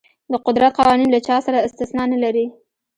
د قدرت قوانین له چا سره استثنا نه لري.